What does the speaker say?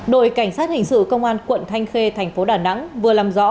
đội cảnh sát hình sự công an quận thanh khê thành phố đà nẵng vừa làm rõ